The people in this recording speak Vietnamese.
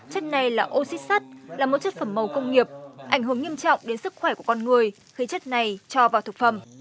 chất này là oxyxat là một chất phẩm màu công nghiệp ảnh hưởng nghiêm trọng đến sức khỏe của con người khi chất này cho vào thực phẩm